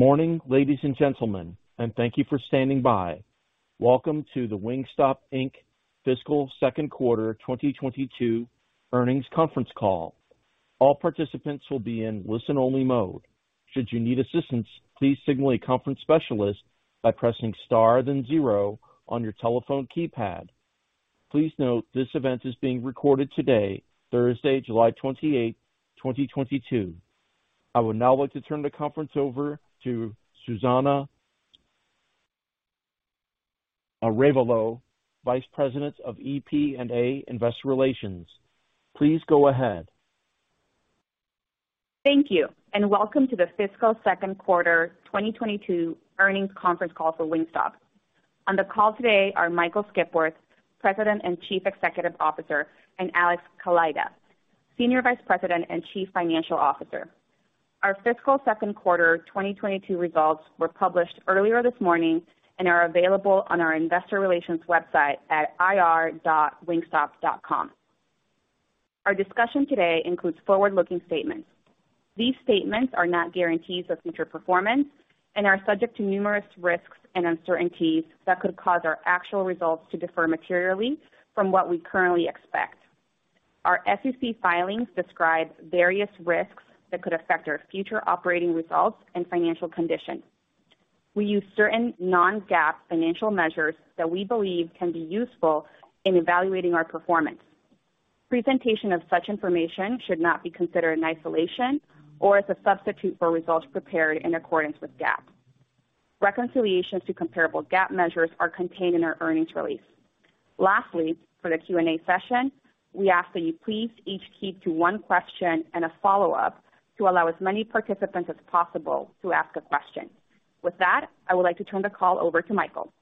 Good morning, ladies and gentlemen, and thank you for standing by. Welcome to the Wingstop Inc Fiscal Second Quarter 2022 Earnings Conference Call. All participants will be in listen-only mode. Should you need assistance, please signal a conference specialist by pressing star then zero on your telephone keypad. Please note this event is being recorded today, Thursday, July 28, 2022. I would now like to turn the conference over to Susana Arevalo, Vice President of FP&A, Investor Relations. Please go ahead. Thank you, and welcome to the fiscal second quarter 2022 earnings conference call for Wingstop. On the call today are Michael Skipworth, President and Chief Executive Officer, and Alex Kaleida, Senior Vice President and Chief Financial Officer. Our fiscal second quarter 2022 results were published earlier this morning and are available on our investor relations website at ir.wingstop.com. Our discussion today includes forward-looking statements. These statements are not guarantees of future performance and are subject to numerous risks and uncertainties that could cause our actual results to differ materially from what we currently expect. Our SEC filings describe various risks that could affect our future operating results and financial condition. We use certain non-GAAP financial measures that we believe can be useful in evaluating our performance. Presentation of such information should not be considered in isolation or as a substitute for results prepared in accordance with GAAP. Reconciliations to comparable GAAP measures are contained in our earnings release. Lastly, for the Q&A session, we ask that you please each keep to one question and a follow-up to allow as many participants as possible to ask a question. With that, I would like to turn the call over to Michael.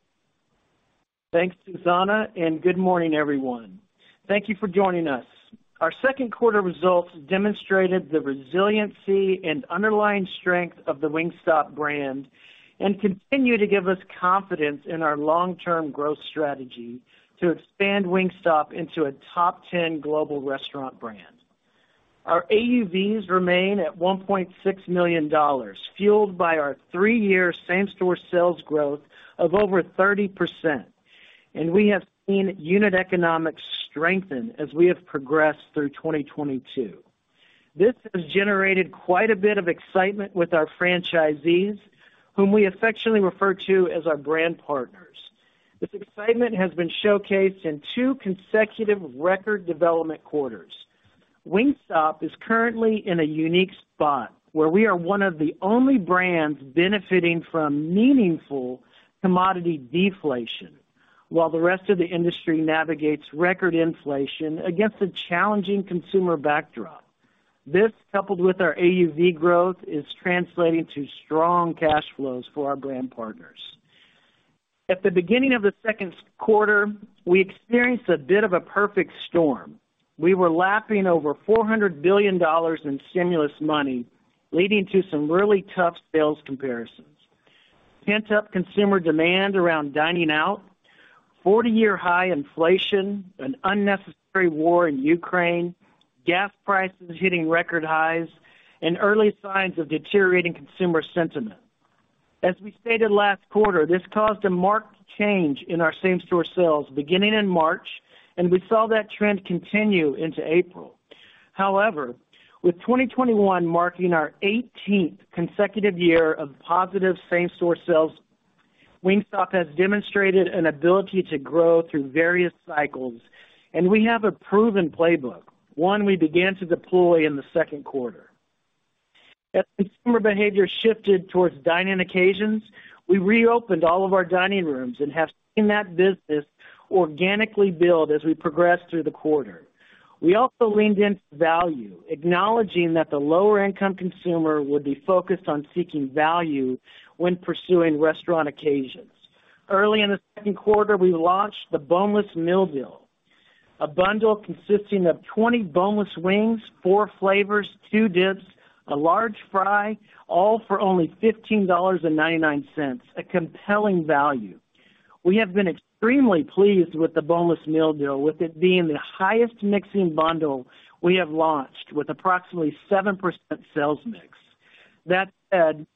Thanks, Susana, and good morning, everyone. Thank you for joining us. Our second quarter results demonstrated the resiliency and underlying strength of the Wingstop brand and continue to give us confidence in our long-term growth strategy to expand Wingstop into a top 10 global restaurant brand. Our AUVs remain at $1.6 million, fueled by our three-year same-store sales growth of over 30%, and we have seen unit economics strengthen as we have progressed through 2022. This has generated quite a bit of excitement with our franchisees, whom we affectionately refer to as our brand partners. This excitement has been showcased in two consecutive record development quarters. Wingstop is currently in a unique spot where we are one of the only brands benefiting from meaningful commodity deflation while the rest of the industry navigates record inflation against a challenging consumer backdrop. This, coupled with our AUV growth, is translating to strong cash flows for our brand partners. At the beginning of the second quarter, we experienced a bit of a perfect storm. We were lapping over $400 billion in stimulus money, leading to some really tough sales comparisons. Pent-up consumer demand around dining out, 40-year high inflation, an unnecessary war in Ukraine, gas prices hitting record highs, and early signs of deteriorating consumer sentiment. As we stated last quarter, this caused a marked change in our same-store sales beginning in March, and we saw that trend continue into April. However, with 2021 marking our 18th consecutive year of positive same-store sales, Wingstop has demonstrated an ability to grow through various cycles, and we have a proven playbook, one we began to deploy in the second quarter. As consumer behavior shifted towards dine-in occasions, we reopened all of our dining rooms and have seen that business organically build as we progressed through the quarter. We also leaned into value, acknowledging that the lower income consumer would be focused on seeking value when pursuing restaurant occasions. Early in the second quarter, we launched the Boneless Meal Deal, a bundle consisting of 20 boneless wings, four flavors, two dips, a large fry, all for only $15.99, a compelling value. We have been extremely pleased with the Boneless Meal Deal, with it being the highest mixing bundle we have launched with approximately 7% sales mix. That said,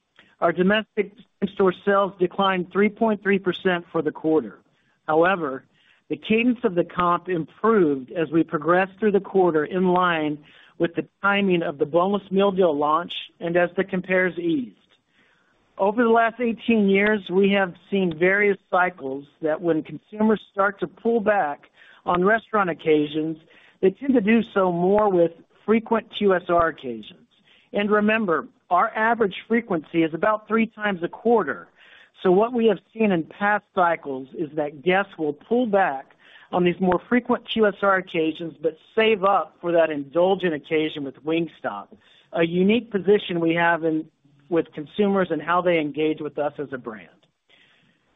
our domestic in-store sales declined 3.3% for the quarter. However, the cadence of the comp improved as we progressed through the quarter in line with the timing of the Boneless Meal Deal launch and as the compares eased. Over the last 18 years, we have seen various cycles that when consumers start to pull back on restaurant occasions, they tend to do so more with frequent QSR occasions. Remember, our average frequency is about three times a quarter. What we have seen in past cycles is that guests will pull back on these more frequent QSR occasions but save up for that indulgent occasion with Wingstop, a unique position we have with consumers and how they engage with us as a brand.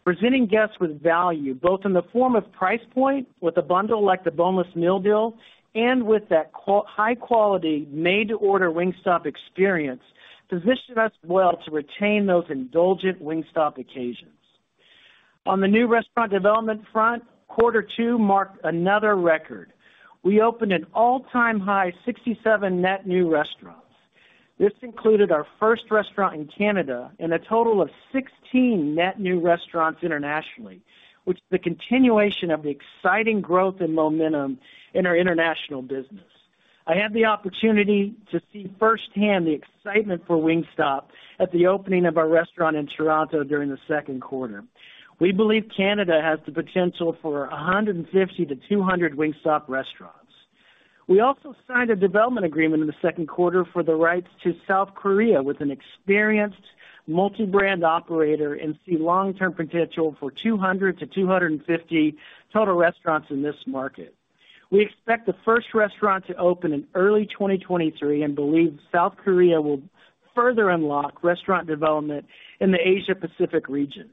Presenting guests with value, both in the form of price point with a bundle like the Boneless Meal Deal and with that high quality made to order Wingstop experience positions us well to retain those indulgent Wingstop occasions. On the new restaurant development front, quarter two marked another record. We opened an all-time high 67 net new restaurants. This included our first restaurant in Canada and a total of 16 net new restaurants internationally, which is the continuation of the exciting growth and momentum in our international business. I had the opportunity to see firsthand the excitement for Wingstop at the opening of our restaurant in Toronto during the second quarter. We believe Canada has the potential for 150 to 200 Wingstop restaurants. We also signed a development agreement in the second quarter for the rights to South Korea with an experienced multi-brand operator and we see long-term potential for 200 to 250 total restaurants in this market. We expect the first restaurant to open in early 2023 and believe South Korea will further unlock restaurant development in the Asia Pacific region.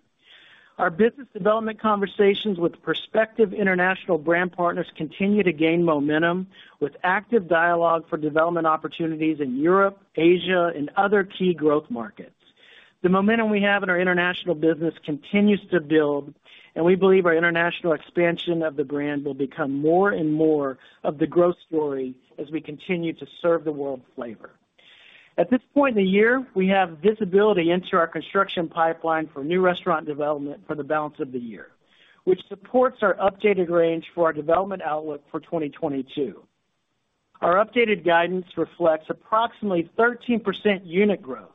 Our business development conversations with prospective international brand partners continue to gain momentum with active dialogue for development opportunities in Europe, Asia and other key growth markets. The momentum we have in our international business continues to build, and we believe our international expansion of the brand will become more and more of the growth story as we continue to serve the world flavor. At this point in the year, we have visibility into our construction pipeline for new restaurant development for the balance of the year, which supports our updated range for our development outlook for 2022. Our updated guidance reflects approximately 13% unit growth,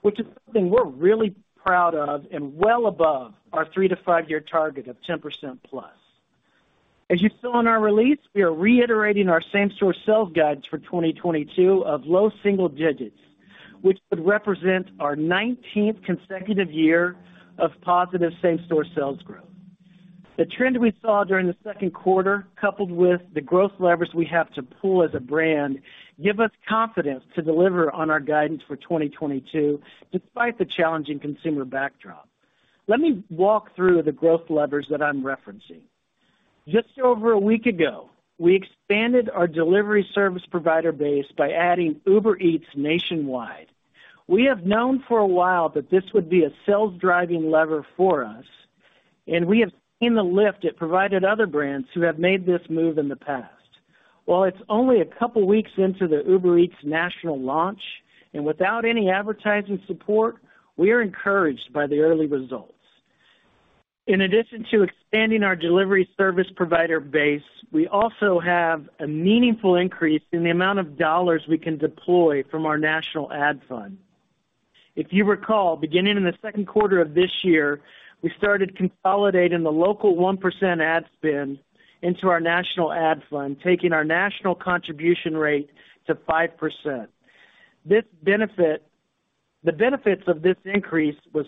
which is something we're really proud of and well above our three to five-year target of 10% plus. As you saw in our release, we are reiterating our same-store sales guidance for 2022 of low single digits, which would represent our 19th consecutive year of positive same-store sales growth. The trend we saw during the second quarter, coupled with the growth levers we have to pull as a brand, give us confidence to deliver on our guidance for 2022 despite the challenging consumer backdrop. Let me walk through the growth levers that I'm referencing. Just over a week ago, we expanded our delivery service provider base by adding Uber Eats nationwide. We have known for a while that this would be a sales driving lever for us, and we have seen the lift it provided other brands who have made this move in the past. While it's only a couple weeks into the Uber Eats national launch and without any advertising support, we are encouraged by the early results. In addition to expanding our delivery service provider base, we also have a meaningful increase in the amount of dollars we can deploy from our national ad fund. If you recall, beginning in the second quarter of this year, we started consolidating the local 1% ad spend into our national ad fund, taking our national contribution rate to 5%. The benefits of this increase was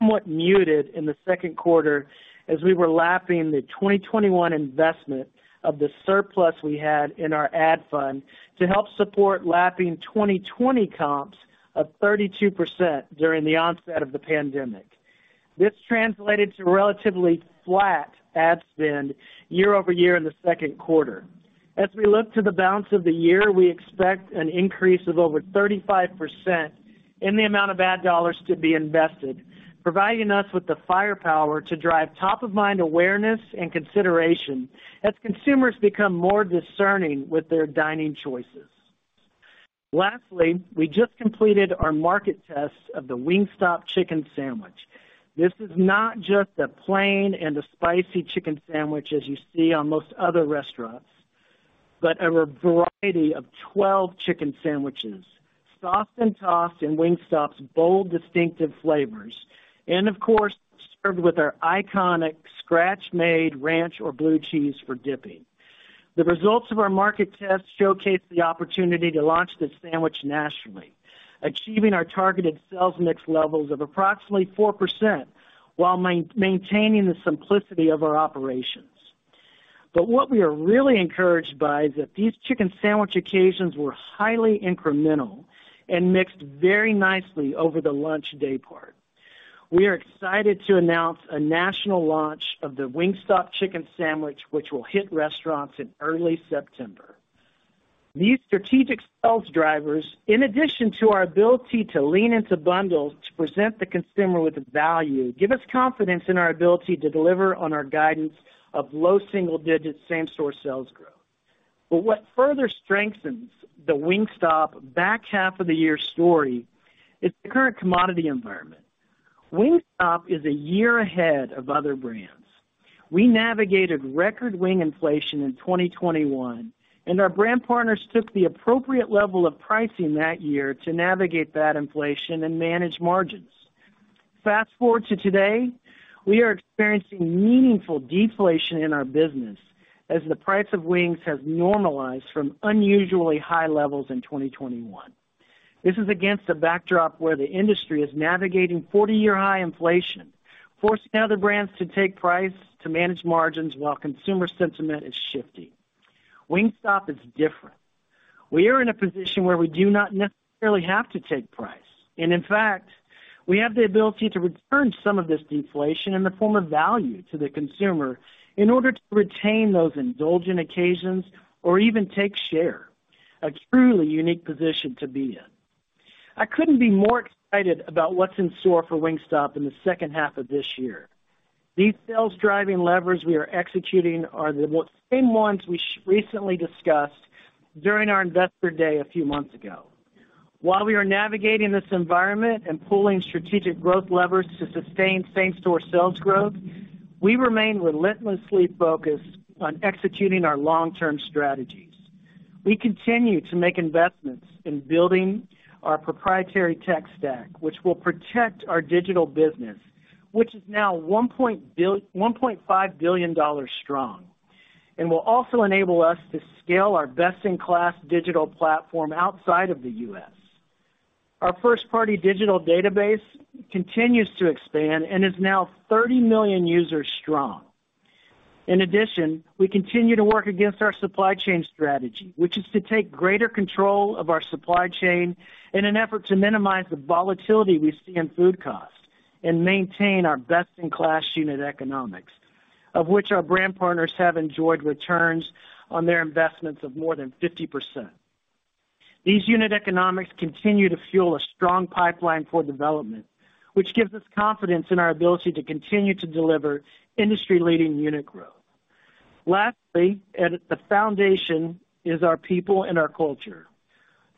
somewhat muted in the second quarter as we were lapping the 2021 investment of the surplus we had in our ad fund to help support lapping 2020 comps of 32% during the onset of the pandemic. This translated to relatively flat ad spend year-over-year in the second quarter. As we look to the balance of the year, we expect an increase of over 35% in the amount of ad dollars to be invested, providing us with the firepower to drive top of mind awareness and consideration as consumers become more discerning with their dining choices. Lastly, we just completed our market test of the Wingstop Chicken Sandwich. This is not just a plain and a spicy chicken sandwich as you see on most other restaurants, but a variety of 12 chicken sandwiches sauced and tossed in Wingstop's bold, distinctive flavors and of course, served with our iconic scratch-made ranch or blue cheese for dipping. The results of our market test showcase the opportunity to launch this sandwich nationally, achieving our targeted sales mix levels of approximately 4% while maintaining the simplicity of our operations. What we are really encouraged by is that these chicken sandwich occasions were highly incremental and mixed very nicely over the lunch daypart. We are excited to announce a national launch of the Wingstop Chicken Sandwich, which will hit restaurants in early September. These strategic sales drivers, in addition to our ability to lean into bundles to present the consumer with the value, give us confidence in our ability to deliver on our guidance of low single digits same-store sales growth. What further strengthens the Wingstop back half of the year story is the current commodity environment. Wingstop is a year ahead of other brands. We navigated record wing inflation in 2021, and our brand partners took the appropriate level of pricing that year to navigate that inflation and manage margins. Fast-forward to today, we are experiencing meaningful deflation in our business as the price of wings has normalized from unusually high levels in 2021. This is against a backdrop where the industry is navigating 40-year high inflation, forcing other brands to take price to manage margins while consumer sentiment is shifting. Wingstop is different. We are in a position where we do not necessarily have to take price, and in fact, we have the ability to return some of this deflation in the form of value to the consumer in order to retain those indulgent occasions or even take share. A truly unique position to be in. I couldn't be more excited about what's in store for Wingstop in the second half of this year. These sales-driving levers we are executing are the same ones we recently discussed during our Investor Day a few months ago. While we are navigating this environment and pulling strategic growth levers to sustain same-store sales growth, we remain relentlessly focused on executing our long-term strategies. We continue to make investments in building our proprietary tech stack, which will protect our digital business, which is now $1.5 billion strong, and will also enable us to scale our best-in-class digital platform outside of the U.S. Our first-party digital database continues to expand and is now 30 million users strong. In addition, we continue to work against our supply chain strategy, which is to take greater control of our supply chain in an effort to minimize the volatility we see in food costs and maintain our best-in-class unit economics, of which our brand partners have enjoyed returns on their investments of more than 50%. These unit economics continue to fuel a strong pipeline for development, which gives us confidence in our ability to continue to deliver industry-leading unit growth. Lastly, at the foundation is our people and our culture,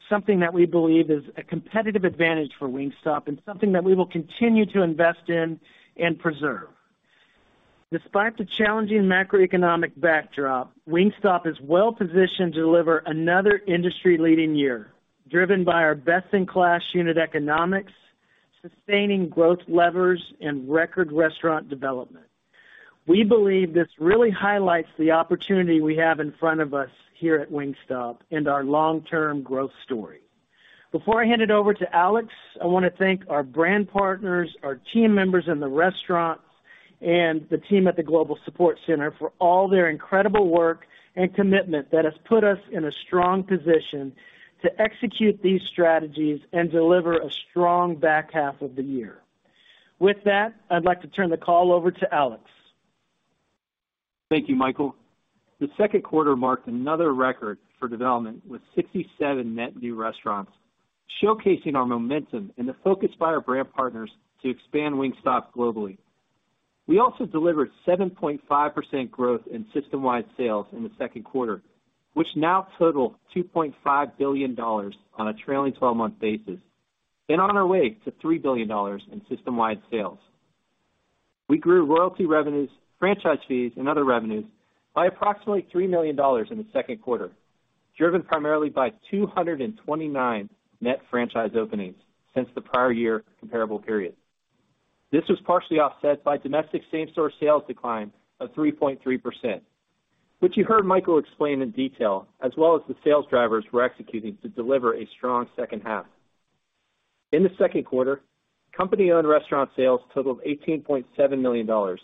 something that we believe is a competitive advantage for Wingstop and something that we will continue to invest in and preserve. Despite the challenging macroeconomic backdrop, Wingstop is well positioned to deliver another industry-leading year, driven by our best-in-class unit economics, sustaining growth levers, and record restaurant development. We believe this really highlights the opportunity we have in front of us here at Wingstop and our long-term growth story. Before I hand it over to Alex, I want to thank our brand partners, our team members in the restaurants, and the team at the Global Support Center for all their incredible work and commitment that has put us in a strong position to execute these strategies and deliver a strong back half of the year. With that, I'd like to turn the call over to Alex. Thank you, Michael. The second quarter marked another record for development with 67 net new restaurants, showcasing our momentum and the focus by our brand partners to expand Wingstop globally. We also delivered 7.5% growth in system-wide sales in the second quarter, which now total $2.5 billion on a trailing twelve-month basis and on our way to $3 billion in system-wide sales. We grew royalty revenues, franchise fees, and other revenues by approximately $3 million in the second quarter, driven primarily by 229 net franchise openings since the prior year comparable period. This was partially offset by domestic same-store sales decline of 3.3%, which you heard Michael explain in detail, as well as the sales drivers we're executing to deliver a strong second half. In the second quarter, company-owned restaurant sales totaled $18.7 million,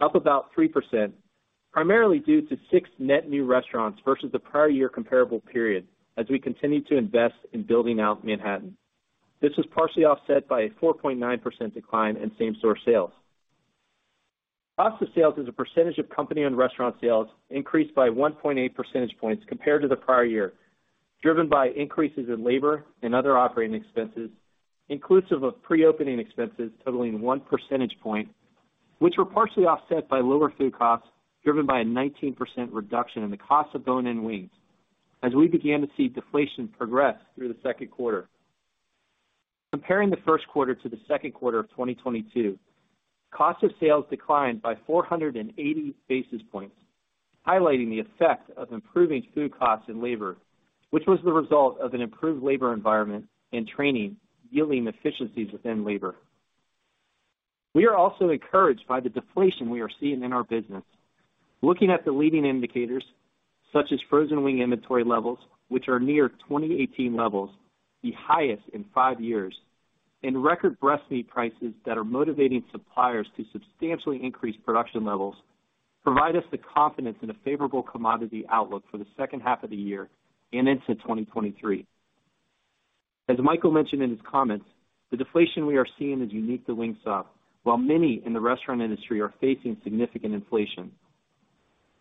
up about 3%, primarily due to six net new restaurants versus the prior year comparable period as we continued to invest in building out Manhattan. This was partially offset by a 4.9% decline in same-store sales. Cost of sales as a percentage of company and restaurant sales increased by 1.8 percentage points compared to the prior year, driven by increases in labor and other operating expenses, inclusive of pre-opening expenses totaling 1 percentage point, which were partially offset by lower food costs, driven by a 19% reduction in the cost of bone-in wings as we began to see deflation progress through the second quarter. Comparing the first quarter to the second quarter of 2022, cost of sales declined by 480 basis points, highlighting the effect of improving food costs and labor, which was the result of an improved labor environment and training, yielding efficiencies within labor. We are also encouraged by the deflation we are seeing in our business. Looking at the leading indicators, such as frozen wing inventory levels, which are near 2018 levels, the highest in five years, and record breast meat prices that are motivating suppliers to substantially increase production levels provide us the confidence in a favorable commodity outlook for the second half of the year and into 2023. As Michael mentioned in his comments, the deflation we are seeing is unique to Wingstop, while many in the restaurant industry are facing significant inflation.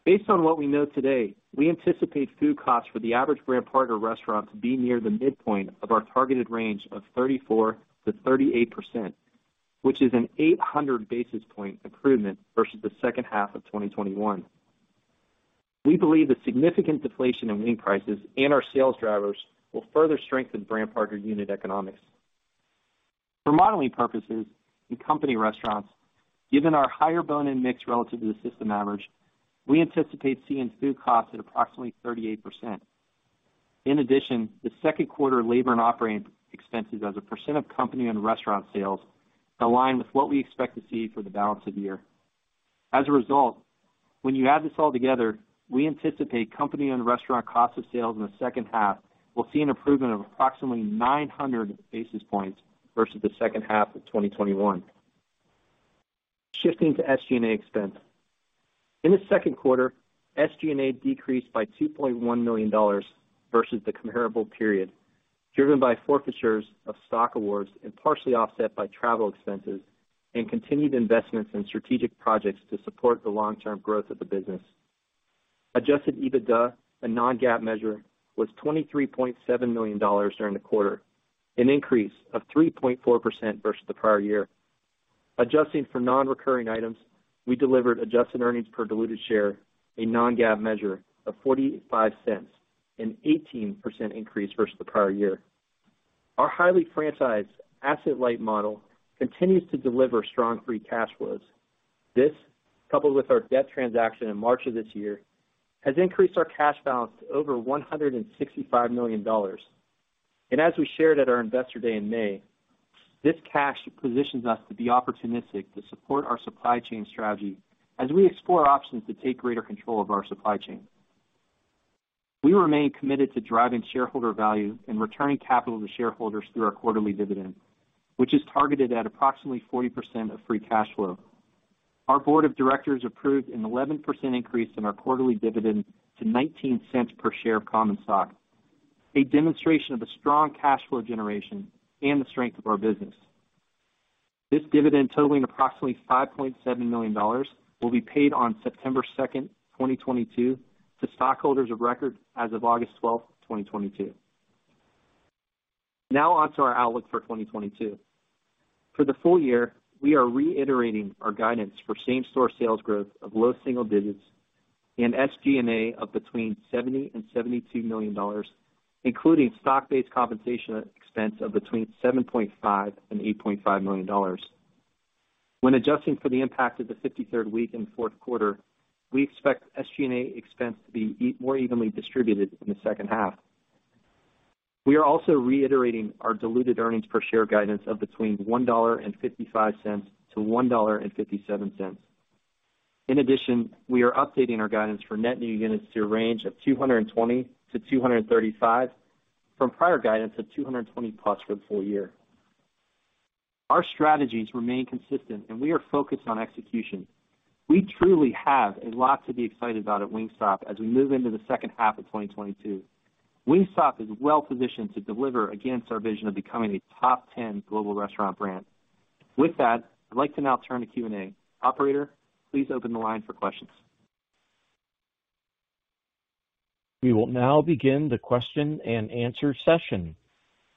Based on what we know today, we anticipate food costs for the average brand partner restaurant to be near the midpoint of our targeted range of 34% to 38%, which is an 800 basis point improvement versus the second half of 2021. We believe the significant deflation in wing prices and our sales drivers will further strengthen brand partner unit economics. For modeling purposes in company restaurants, given our higher bone-in mix relative to the system average, we anticipate seeing food costs at approximately 38%. In addition, the second quarter labor and operating expenses as a percent of company and restaurant sales align with what we expect to see for the balance of the year. As a result, when you add this all together, we anticipate company and restaurant cost of sales in the second half will see an improvement of approximately 900 basis points versus the second half of 2021. Shifting to SG&A expense. In the second quarter, SG&A decreased by $2.1 million versus the comparable period, driven by forfeitures of stock awards and partially offset by travel expenses and continued investments in strategic projects to support the long-term growth of the business. Adjusted EBITDA, a non-GAAP measure, was $23.7 million during the quarter, an increase of 3.4% versus the prior year. Adjusting for non-recurring items, we delivered adjusted earnings per diluted share, a non-GAAP measure of $0.45, an 18% increase versus the prior year. Our highly franchised asset light model continues to deliver strong free cash flows. This, coupled with our debt transaction in March of this year, has increased our cash balance to over $165 million. As we shared at our Investor Day in May, this cash positions us to be opportunistic to support our supply chain strategy as we explore options to take greater control of our supply chain. We remain committed to driving shareholder value and returning capital to shareholders through our quarterly dividend, which is targeted at approximately 40% of free cash flow. Our board of directors approved an 11% increase in our quarterly dividend to $0.19 per share of common stock, a demonstration of the strong cash flow generation and the strength of our business. This dividend, totaling approximately $5.7 million, will be paid on September 2, 2022 to stockholders of record as of August 12, 2022. Now on to our outlook for 2022. For the full year, we are reiterating our guidance for same-store sales growth of low single digits% and SG&A of between $70 to $72 million, including stock-based compensation expense of between $7.5-$8.5 million. When adjusting for the impact of the 53rd week in the fourth quarter, we expect SG&A expense to be more evenly distributed in the second half. We are also reiterating our diluted earnings per share guidance of between $1.55-$1.57. In addition, we are updating our guidance for net new units to a range of 220-235 from prior guidance of 220+ for the full year. Our strategies remain consistent, and we are focused on execution. We truly have a lot to be excited about at Wingstop as we move into the second half of 2022. Wingstop is well positioned to deliver against our vision of becoming a top ten global restaurant brand. With that, I'd like to now turn to Q&A. Operator, please open the line for questions. We will now begin the question and answer session.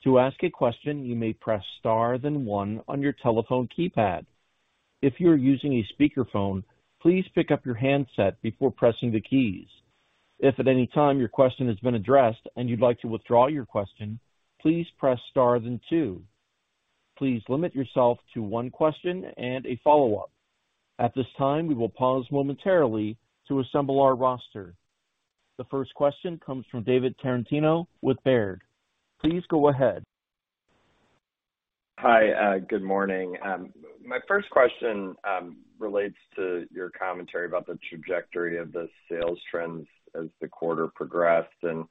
To ask a question, you may press star then one on your telephone keypad. If you are using a speakerphone, please pick up your handset before pressing the keys. If at any time your question has been addressed and you'd like to withdraw your question, please press star then two. Please limit yourself to one question and a follow-up. At this time, we will pause momentarily to assemble our roster. The first question comes from David Tarantino with Baird. Please go ahead. Hi, good morning. My first question relates to your commentary about the trajectory of the sales trends as the quarter progressed, and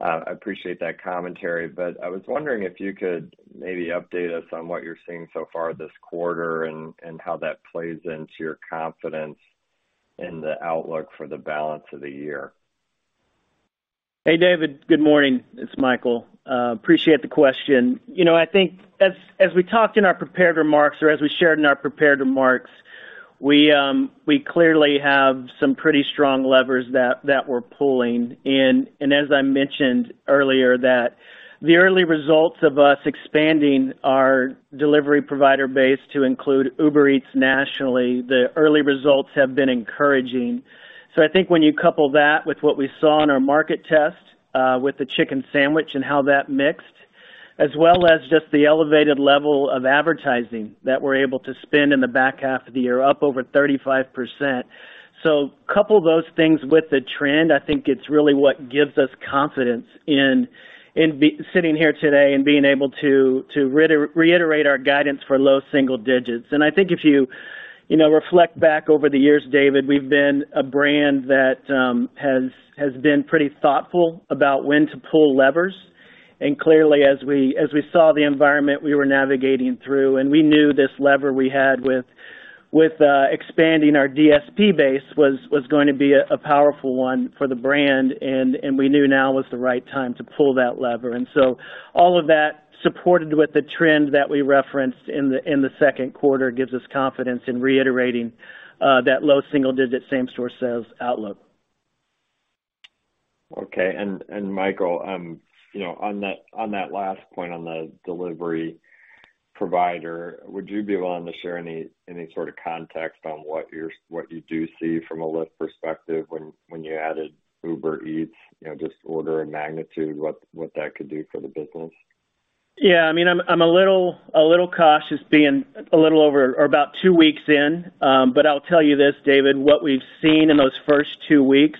I appreciate that commentary. I was wondering if you could maybe update us on what you're seeing so far this quarter and how that plays into your confidence in the outlook for the balance of the year. Hey, David. Good morning. It's Michael. Appreciate the question. You know, I think as we talked in our prepared remarks or as we shared in our prepared remarks, we clearly have some pretty strong levers that we're pulling in. As I mentioned earlier, the early results of us expanding our delivery provider base to include Uber Eats nationally have been encouraging. I think when you couple that with what we saw in our market test with the chicken sandwich and how that mixed, as well as just the elevated level of advertising that we're able to spend in the back half of the year, up over 35%. Couple those things with the trend. I think it's really what gives us confidence in sitting here today and being able to reiterate our guidance for low single digits. I think if you know, reflect back over the years, David, we've been a brand that has been pretty thoughtful about when to pull levers. Clearly, as we saw the environment we were navigating through, and we knew this lever we had with expanding our DSP base was going to be a powerful one for the brand, and we knew now was the right time to pull that lever. All of that supported with the trend that we referenced in the second quarter gives us confidence in reiterating that low single digit same-store sales outlook. Okay. Michael, you know, on that last point on the delivery provider, would you be willing to share any sort of context on what you do see from a lift perspective when you added Uber Eats? You know, just order of magnitude, what that could do for the business. Yeah, I mean, I'm a little cautious being a little over or about two weeks in. I'll tell you this, David, what we've seen in those first two weeks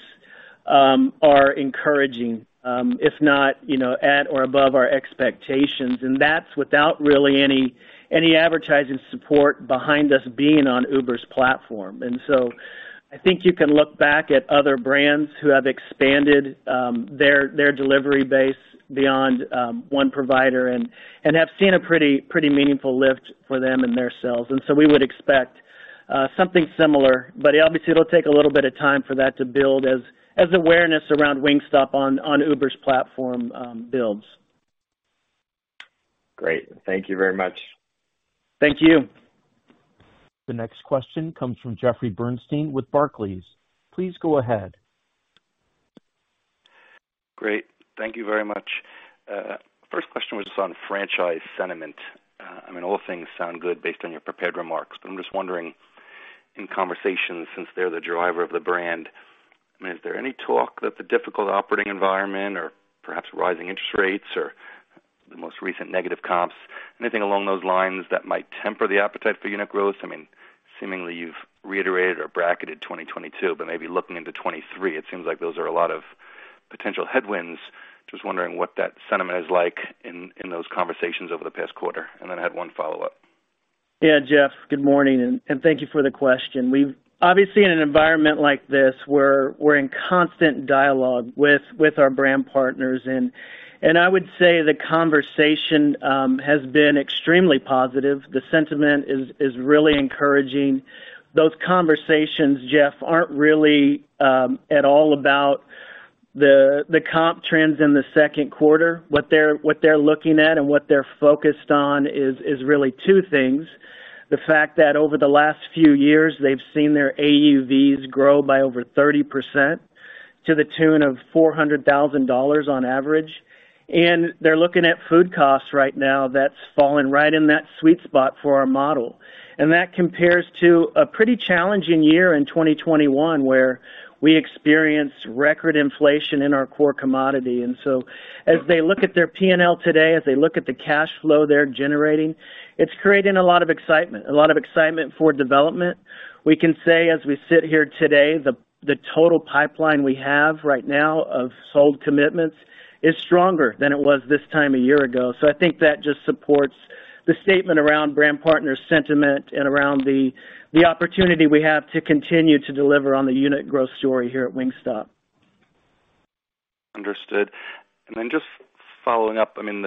are encouraging, if not, you know, at or above our expectations, and that's without really any advertising support behind us being on Uber's platform. I think you can look back at other brands who have expanded their delivery base beyond one provider and have seen a pretty meaningful lift for them and their sales. We would expect something similar, but obviously, it'll take a little bit of time for that to build as awareness around Wingstop on Uber's platform builds. Great. Thank you very much. Thank you. The next question comes from Jeffrey Bernstein with Barclays. Please go ahead. Great. Thank you very much. First question was on franchise sentiment. I mean, all things sound good based on your prepared remarks, but I'm just wondering, in conversations, since they're the driver of the brand, I mean, is there any talk that the difficult operating environment or perhaps rising interest rates or the most recent negative comps, anything along those lines that might temper the appetite for unit growth? I mean, seemingly you've reiterated or bracketed 2022, but maybe looking into 2023, it seems like those are a lot of potential headwinds. Just wondering what that sentiment is like in those conversations over the past quarter. I had one follow-up. Yeah. Jeff, good morning, and thank you for the question. We've obviously in an environment like this, we're in constant dialogue with our brand partners, and I would say the conversation has been extremely positive. The sentiment is really encouraging. Those conversations, Jeff, aren't really at all about the comp trends in the second quarter. What they're looking at and what they're focused on is really two things. The fact that over the last few years they've seen their AUVs grow by over 30% to the tune of $400,000 on average. They're looking at food costs right now that's fallen right in that sweet spot for our model. That compares to a pretty challenging year in 2021, where we experienced record inflation in our core commodity. As they look at their P&L today, as they look at the cash flow they're generating, it's creating a lot of excitement for development. We can say, as we sit here today, the total pipeline we have right now of sold commitments is stronger than it was this time a year ago. I think that just supports the statement around brand partner sentiment and around the opportunity we have to continue to deliver on the unit growth story here at Wingstop. Understood. Just following up, I mean,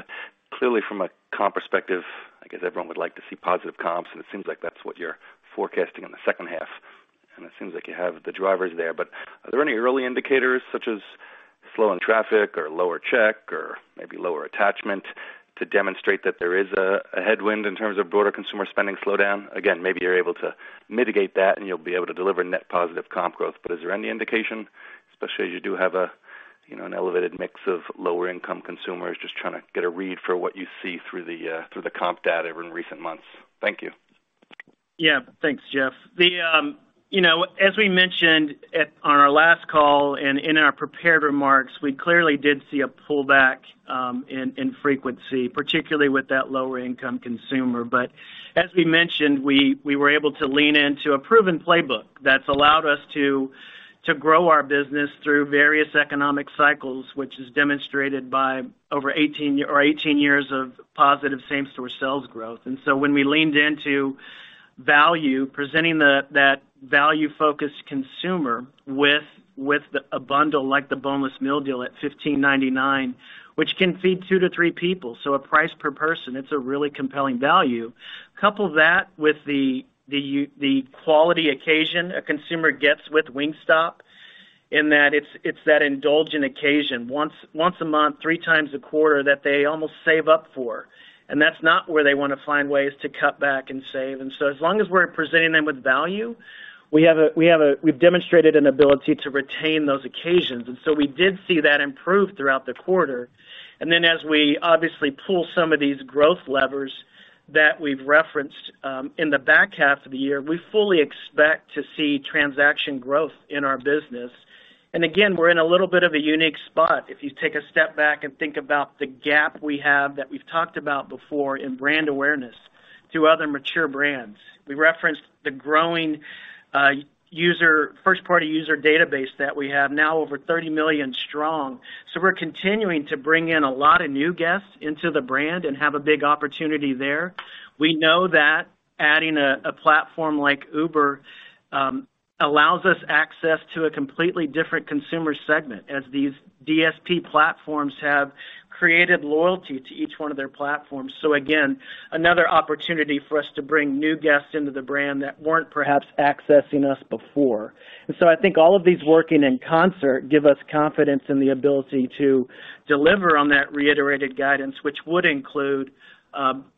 clearly from a comp perspective, I guess everyone would like to see positive comps, and it seems like that's what you're forecasting in the second half, and it seems like you have the drivers there. Are there any early indicators such as slowing traffic or lower check or maybe lower attachment to demonstrate that there is a headwind in terms of broader consumer spending slowdown? Again, maybe you're able to mitigate that and you'll be able to deliver net positive comp growth. Is there any indication, especially as you do have a, you know, an elevated mix of lower income consumers, just trying to get a read for what you see through the comp data in recent months? Thank you. Thanks, Jeff. You know, as we mentioned on our last call and in our prepared remarks, we clearly did see a pullback in frequency, particularly with that lower income consumer. As we mentioned, we were able to lean into a proven playbook that's allowed us to grow our business through various economic cycles, which is demonstrated by over 18 years of positive same-store sales growth. When we leaned into value, presenting that value-focused consumer with a bundle like the Boneless Meal Deal at $15.99, which can feed two to three people, so a price per person, it's a really compelling value. Couple that with the quality occasion a consumer gets with Wingstop, in that it's that indulgent occasion once a month, three times a quarter, that they almost save up for, and that's not where they wanna find ways to cut back and save. As long as we're presenting them with value, we've demonstrated an ability to retain those occasions. We did see that improve throughout the quarter. As we obviously pull some of these growth levers that we've referenced in the back half of the year, we fully expect to see transaction growth in our business. We're in a little bit of a unique spot. If you take a step back and think about the gap we have that we've talked about before in brand awareness to other mature brands. We referenced the growing first-party user database that we have now over 30 million strong. We're continuing to bring in a lot of new guests into the brand and have a big opportunity there. We know that adding a platform like Uber allows us access to a completely different consumer segment as these DSP platforms have created loyalty to each one of their platforms. Again, another opportunity for us to bring new guests into the brand that weren't perhaps accessing us before. I think all of these working in concert give us confidence in the ability to deliver on that reiterated guidance, which would include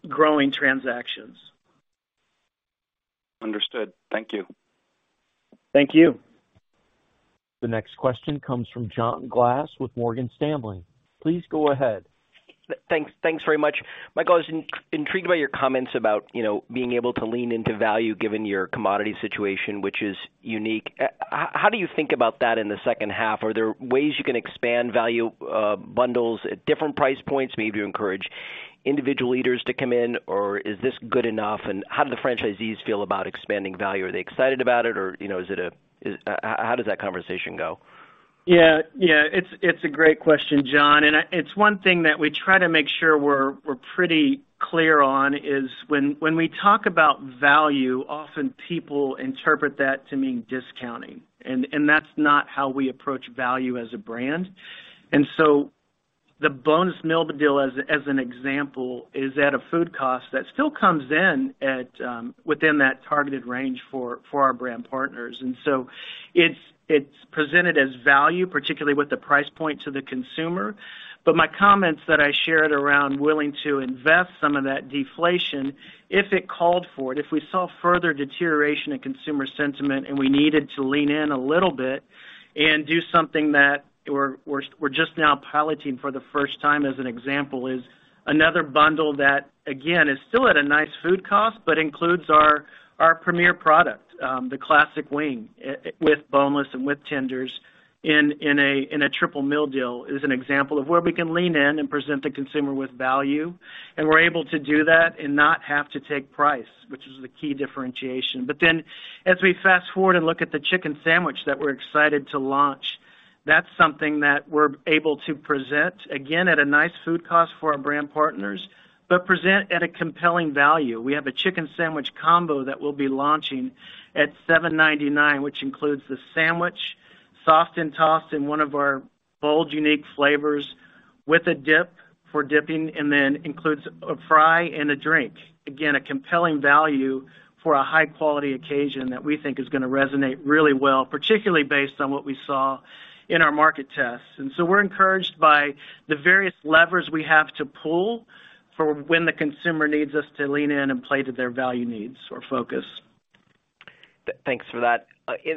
growing transactions. Understood. Thank you. Thank you. The next question comes from John Glass with Morgan Stanley. Please go ahead. Thanks very much. Michael, I was intrigued by your comments about, you know, being able to lean into value given your commodity situation, which is unique. How do you think about that in the second half? Are there ways you can expand value, bundles at different price points? Maybe you encourage individual orders to come in, or is this good enough? How do the franchisees feel about expanding value? Are they excited about it, or, you know, how does that conversation go? Yeah. It's a great question, John, and it's one thing that we try to make sure we're pretty clear on, is when we talk about value, often people interpret that to mean discounting, and that's not how we approach value as a brand. The Boneless Meal Deal, as an example, is at a food cost that still comes in at within that targeted range for our brand partners. It's presented as value, particularly with the price point to the consumer. My comments that I shared around willing to invest some of that deflation, if it called for it, if we saw further deterioration in consumer sentiment, and we needed to lean in a little bit and do something that we're just now piloting for the first time, as an example, is another bundle that, again, is still at a nice food cost, but includes our premier product, the classic wing with boneless and with tenders in a triple meal deal is an example of where we can lean in and present the consumer with value. We're able to do that and not have to take price, which is the key differentiation. As we fast-forward and look at the Chicken Sandwich that we're excited to launch, that's something that we're able to present, again, at a nice food cost for our brand partners, but present at a compelling value. We have a Chicken Sandwich combo that we'll be launching at $7.99, which includes the sandwich, sauced and tossed in one of our bold, unique flavors with a dip for dipping, and then includes a fry and a drink. Again, a compelling value for a high quality occasion that we think is gonna resonate really well, particularly based on what we saw in our market tests. We're encouraged by the various levers we have to pull for when the consumer needs us to lean in and play to their value needs or focus. Thanks for that.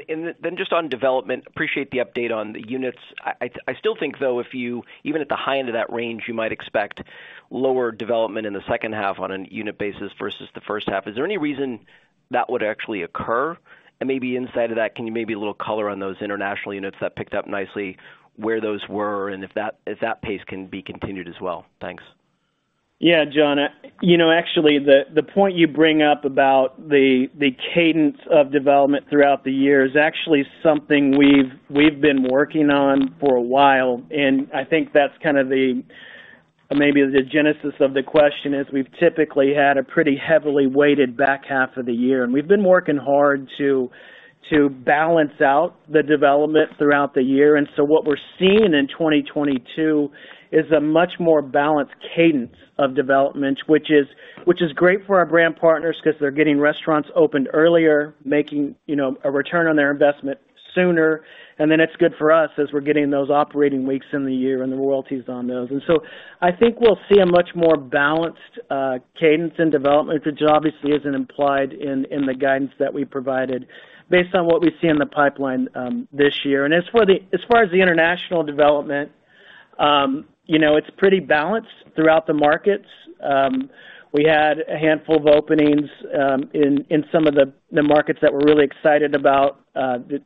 Then just on development, appreciate the update on the units. I still think, though, if you even at the high end of that range, you might expect lower development in the second half on a unit basis versus the first half. Is there any reason that would actually occur? Maybe inside of that, can you maybe a little color on those international units that picked up nicely, where those were, and if that pace can be continued as well? Thanks. Yes, John. You know, actually, the point you bring up about the cadence of development throughout the year is actually something we've been working on for a while, and I think that's kind of maybe the genesis of the question is we've typically had a pretty heavily weighted back half of the year, and we've been working hard to balance out the development throughout the year. What we're seeing in 2022 is a much more balanced cadence of development, which is great for our brand partners because they're getting restaurants opened earlier, making, you know, a return on their investment sooner. It's good for us as we're getting those operating weeks in the year and the royalties on those. I think we'll see a much more balanced cadence in development, which obviously isn't implied in the guidance that we provided based on what we see in the pipeline this year. As far as the international development, you know, it's pretty balanced throughout the markets. We had a handful of openings in some of the markets that we're really excited about.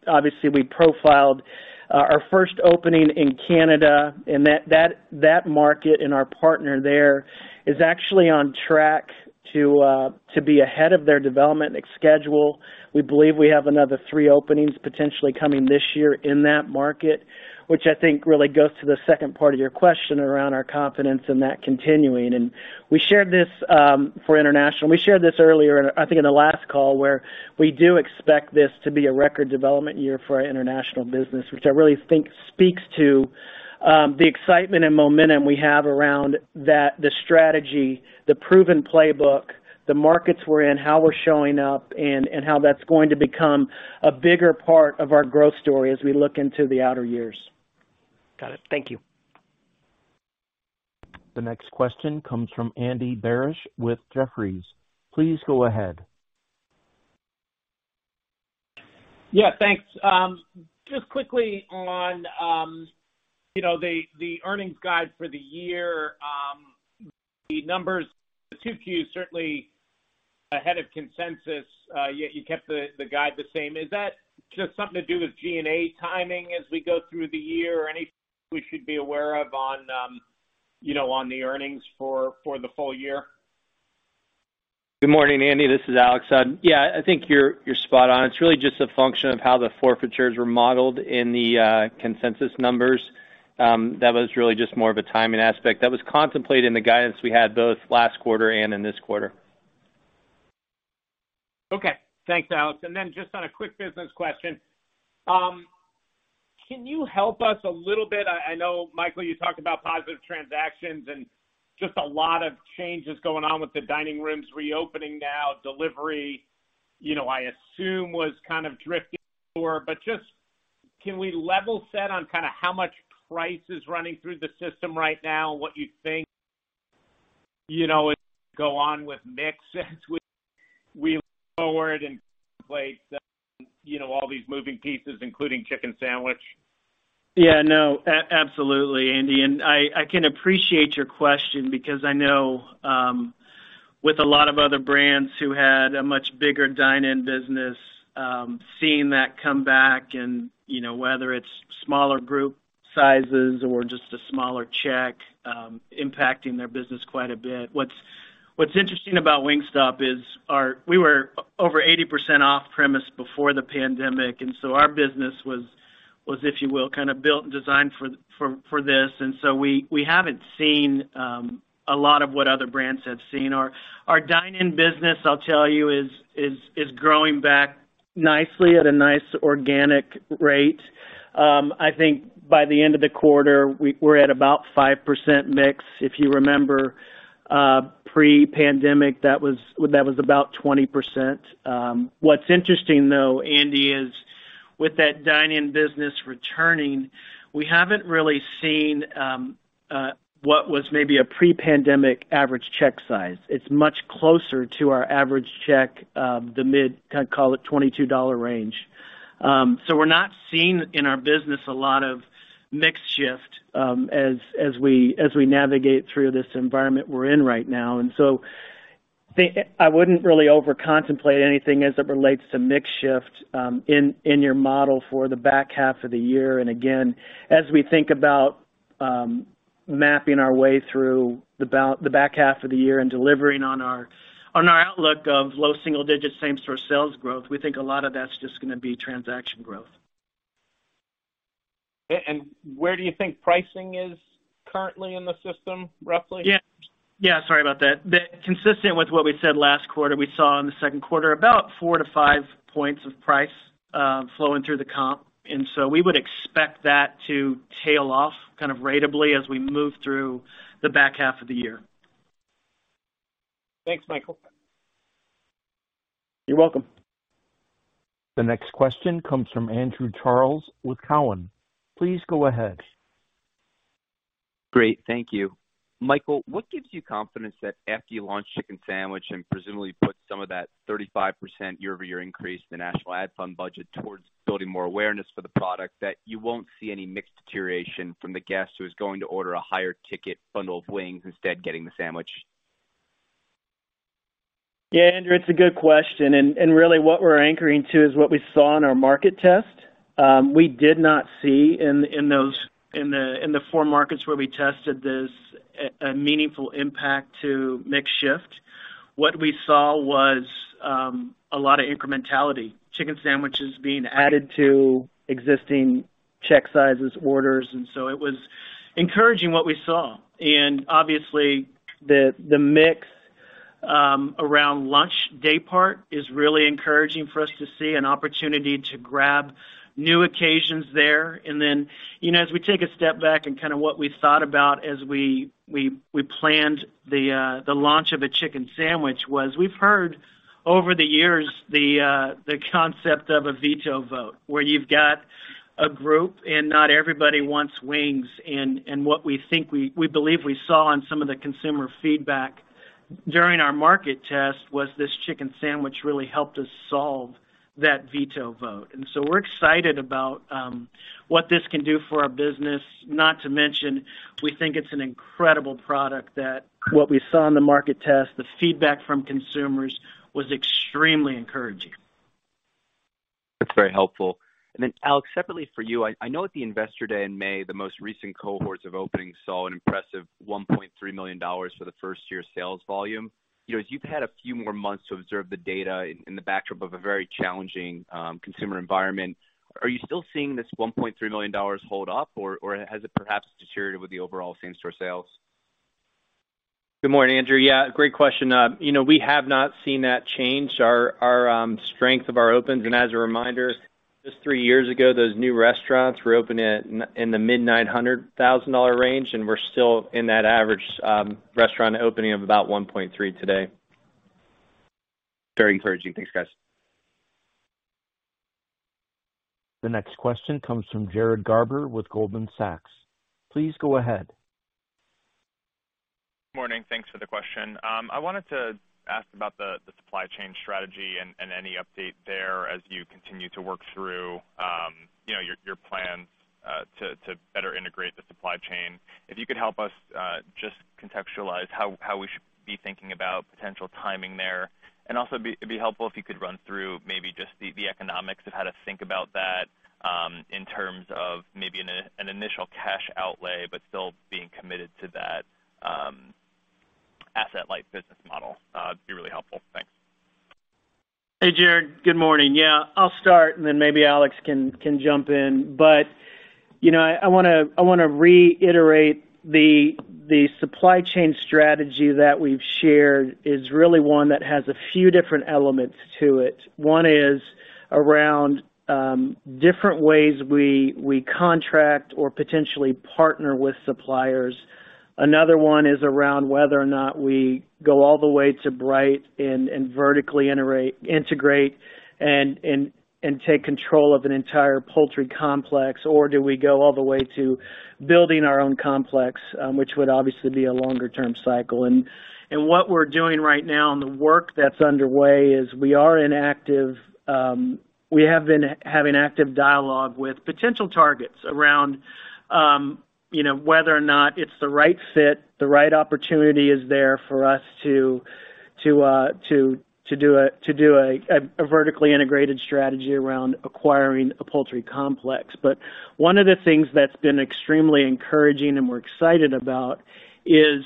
Obviously, we profiled our first opening in Canada, and that market and our partner there is actually on track to be ahead of their development schedule. We believe we have another three openings potentially coming this year in that market, which I think really goes to the second part of your question around our confidence in that continuing. We shared this for international. We shared this earlier, I think, in the last call, where we do expect this to be a record development year for our international business, which I really think speaks to, the excitement and momentum we have around that, the strategy, the proven playbook, the markets we're in, how we're showing up, and how that's going to become a bigger part of our growth story as we look into the outer years. Got it. Thank you. The next question comes from Andy Barish with Jefferies. Please go ahead. Yes, thanks. Just quickly on, you know, the earnings guide for the year. The numbers, the two Qs certainly ahead of consensus, yet you kept the guide the same. Is that just something to do with SG&A timing as we go through the year, or anything we should be aware of on, you know, on the earnings for the full year? Good morning, Andy. This is Alex. Yeah, I think you're spot on. It's really just a function of how the forfeitures were modeled in the consensus numbers. That was really just more of a timing aspect that was contemplated in the guidance we had both last quarter and in this quarter. Okay. Thanks, Alex. Just on a quick business question. Can you help us a little bit. I know, Michael, you talked about positive transactions and just a lot of changes going on with the dining rooms reopening now. Delivery, you know, I assume, was kind of drifting before. Just can we level set on kind of how much price is running through the system right now and what you think, you know, is going on with mix as we look forward and put in place, you know, all these moving pieces, including chicken sandwich? Yeah, no, absolutely, Andy. I can appreciate your question because I know with a lot of other brands who had a much bigger dine-in business, seeing that come back and, you know, whether it's smaller group sizes or just a smaller check, impacting their business quite a bit. What's interesting about Wingstop is we were over 80% off premise before the pandemic, our business was, if you will, kind of built and designed for for this. We haven't seen a lot of what other brands have seen. Our dine-in business, I'll tell you, is growing back nicely, at a nice organic rate. I think by the end of the quarter we're at about 5% mix. If you remember, pre-pandemic, that was about 20%. What's interesting though, Andy, is with that dine-in business returning, we haven't really seen what was maybe a pre-pandemic average check size. It's much closer to our average check of the mid, kind of call it $22 range. So we're not seeing in our business a lot of mix shift as we navigate through this environment we're in right now. I wouldn't really over contemplate anything as it relates to mix shift in your model for the back half of the year. Again, as we think about mapping our way through the back half of the year and delivering on our outlook of low single digits same-store sales growth, we think a lot of that's just gonna be transaction growth. Where do you think pricing is currently in the system, roughly? Yeah, sorry about that. Consistent with what we said last quarter, we saw in the second quarter about four to five points of price flowing through the comp. We would expect that to tail off kind of ratably as we move through the back half of the year. Thanks, Michael. You're welcome. The next question comes from Andrew Charles with Cowen. Please go ahead. Great. Thank you. Michael, what gives you confidence that after you launch Chicken Sandwich and presumably put some of that 35% year-over-year increase in the national ad fund budget towards building more awareness for the product, that you won't see any mix deterioration from the guest who is going to order a higher ticket bundle of wings instead getting the sandwich? Yeah, Andrew, it's a good question. Really what we're anchoring to is what we saw in our market test. We did not see in those four markets where we tested this a meaningful impact to mix shift. What we saw was a lot of incrementality, chicken sandwiches being added to existing check sizes orders. It was encouraging what we saw. Obviously the mix around lunch day part is really encouraging for us to see an opportunity to grab new occasions there. You know, as we take a step back and kind of what we thought about as we planned the launch of a chicken sandwich was we've heard over the years the concept of a veto vote, where you've got a group and not everybody wants wings. What we believe we saw on some of the consumer feedback during our market test was this Chicken Sandwich really helped us solve that veto vote. We're excited about what this can do for our business. Not to mention, we think it's an incredible product and what we saw in the market test, the feedback from consumers was extremely encouraging. That's very helpful. Alex, separately for you. I know at the Investor Day in May, the most recent cohorts of openings saw an impressive $1.3 million for the first-year sales volume. You know, as you've had a few more months to observe the data in the backdrop of a very challenging consumer environment, are you still seeing this $1.3 million hold up or has it perhaps deteriorated with the overall same-store sales? Good morning, Andrew. Yeah, great question. You know, we have not seen that change our strength of our opens. As a reminder, just three years ago, those new restaurants were opening in the mid-$900,000 range, and we're still in that average restaurant opening of about $1.3 million today. Very encouraging. Thanks, guys. The next question comes from Jared Garber with Goldman Sachs. Please go ahead. Morning. Thanks for the question. I wanted to ask about the supply chain strategy and any update there as you continue to work through, you know, your plans to better integrate the supply chain. If you could help us just contextualize how we should be thinking about potential timing there. It'd be helpful if you could run through maybe just the economics of how to think about that in terms of maybe an initial cash outlay, but still being committed to that asset-light business model. It'd be really helpful. Thanks. Jared. Good morning. Yes, I'll start and then maybe Alex can jump in. You know, I wanna reiterate the supply chain strategy that we've shared is really one that has a few different elements to it. One is around different ways we contract or potentially partner with suppliers. Another one is around whether or not we go all the way to right and vertically integrate and take control of an entire poultry complex, or do we go all the way to building our own complex, which would obviously be a longer term cycle. What we're doing right now and the work that's underway is we are in active. We have been having active dialogue with potential targets around whether or not it's the right fit, the right opportunity is there for us to do a vertically integrated strategy around acquiring a poultry complex. One of the things that's been extremely encouraging and we're excited about is